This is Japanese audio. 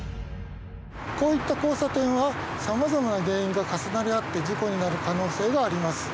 こういった交差点はさまざまな原因が重なり合って事故になる可能性があります。